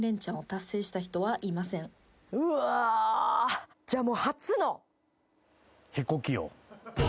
うわじゃあもう。